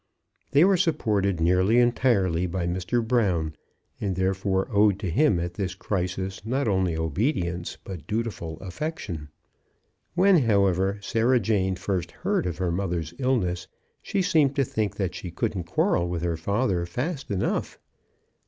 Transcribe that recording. They were supported nearly entirely by Mr. Brown, and therefore owed to him at this crisis not only obedience, but dutiful affection. When, however, Sarah Jane first heard of her mother's illness, she seemed to think that she couldn't quarrel with her father fast enough.